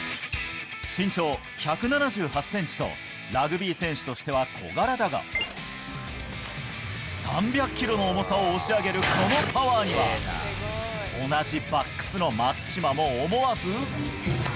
身長１７８センチと、ラグビー選手としては小柄だが、３００キロの重さを押し上げるこのパワーには、同じバックスの松島も思わず。